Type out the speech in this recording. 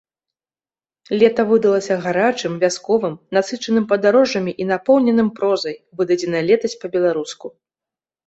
Лета выдалася гарачым, вясковым, насычаным падарожжамі і напоўненым прозай, выдадзенай летась па-беларуску.